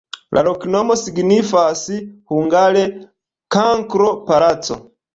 La loknomo signifas hungare: kankro-palaco.